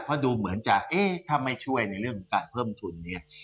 เพราะดูเหมือนจะเอ๊ะถ้าไม่ช่วยในเรื่องการเพิ่มทุนเนี่ย